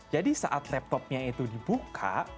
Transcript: jadi saat laptopnya itu dibuka